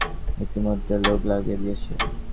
কোনো তথ্য নেই, কিন্তু আমরা ইতোমধ্যে লোক লাগিয়ে দিয়েছি।